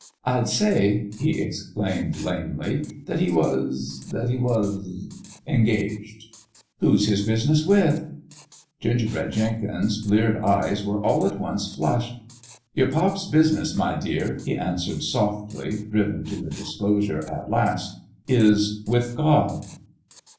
I'd say," he explained, lamely, " that he was that he was engaged." " Who's his business with ?" An ENGAGEMENT WHH GOD 23 Gingerbread Jenkins' bleared eyes were all at once flushed. " Your pop's business, my dear," he answered, softly, driven to the disclosure at last, " is with God."